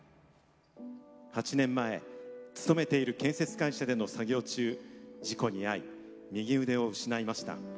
８年前勤めている建設会社での作業中事故に遭い、右腕を失いました。